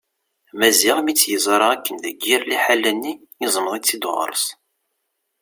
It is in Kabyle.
Maziɣ mi tt-yeẓra akken deg yir liḥala-nni iẓmeḍ-itt-id ɣur-s.